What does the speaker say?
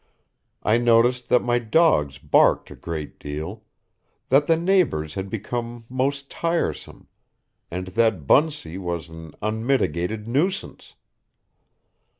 I noticed that my dogs barked a great deal, that the neighbors had become most tiresome, and that Bunsey was an unmitigated nuisance.